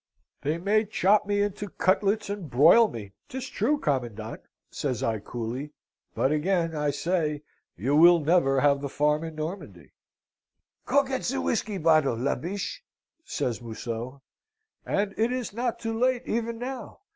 "'They may chop me into cutlets and broil me, 'tis true, commandant,' says I, coolly. 'But again, I say, you will never have the farm in Normandy.' "'Go get the whisky bottle, La Biche,' says Museau. "'And it is not too late, even now.